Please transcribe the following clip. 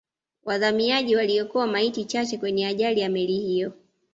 wazamiaji waliokoa maiti chache kwenye ajali ya meli hiyo